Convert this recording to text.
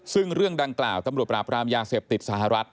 ซึ่งเรื่องดังกล่าวตำรวจปราบรามยาเสพติดสหรัฐ